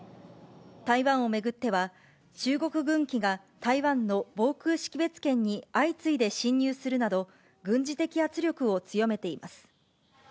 台湾を巡っては、中国軍機が台湾の防空識別圏に相次いで進入するなど、軍事的圧力を強めています。